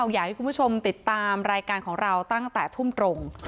อยากให้คุณผู้ชมติดตามรายการของเราตั้งแต่ทุ่มตรง